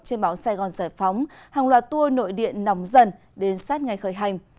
trên báo sài gòn giải phóng hàng loạt tour nội điện nóng dần đến sát ngày khởi hành